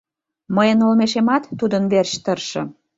Мыйын олмешемат тудын верч тырше.